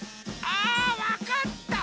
あわかった！